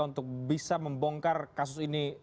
untuk bisa membongkar kasus ini